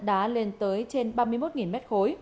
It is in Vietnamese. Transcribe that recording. đá lên tới trên ba mươi một m ba